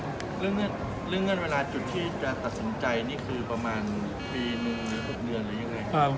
เรื่องเงื่อนเวลาจุดที่จะตัดสินใจนี่คือประมาณปีหนึ่งหรือ๖เดือนหรือยังไง